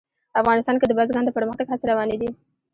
افغانستان کې د بزګان د پرمختګ هڅې روانې دي.